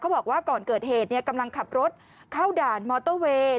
บอกว่าก่อนเกิดเหตุกำลังขับรถเข้าด่านมอเตอร์เวย์